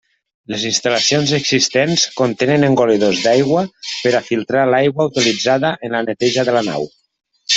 Les instal·lacions existents contenen engolidors d'aigua per a filtrar l'aigua utilitzada en la neteja de la nau.